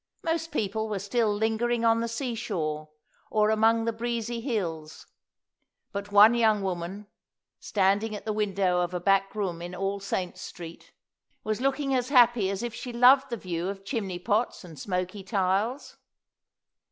Most people were still lingering on the sea shore or among the breezy hills; but one young woman, standing at the window of a back room in All Saints' Street, was looking as happy as if she loved the view of chimney pots and smoky tiles.